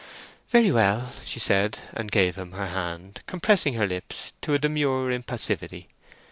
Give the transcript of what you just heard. "Very well," she said, and gave him her hand, compressing her lips to a demure impassivity.